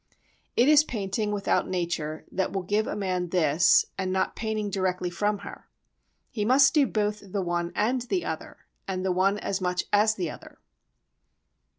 It is painting without nature that will give a man this, and not painting directly from her. He must do both the one and the other, and the one as much as the other.